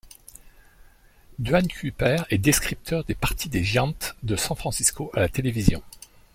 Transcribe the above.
Duane Kuiper est descripteur des parties des Giants de San Francisco à la télévision.